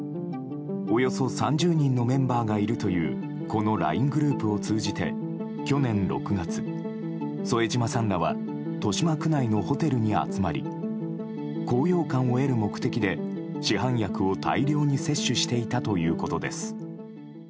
およそ３０人のメンバーがいるというこのＬＩＮＥグループを通じて去年６月、添島さんらは豊島区内のホテルに集まり高揚感を得る目的で市販薬を大量に摂取していたということです。